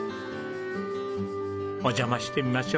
お邪魔してみましょう。